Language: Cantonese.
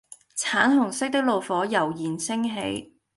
橙紅色的爐火悠然升起